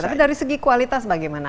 tapi dari segi kualitas bagaimana